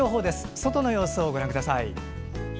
外の様子をご覧ください。